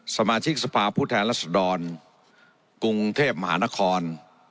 สมาชิกสภาพผู้แทนรัศดรกรุงเทพมหานคร